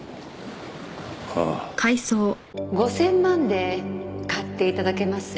５０００万で買っていただけます？